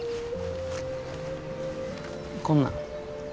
こんなん。